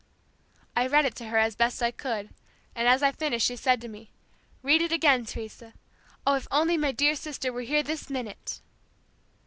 I read it to her as best I could, and as I finished she said to me, 'Read it again, Teresa. Oh, if only my dear sister were here this minute!"